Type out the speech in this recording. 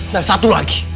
dan satu lagi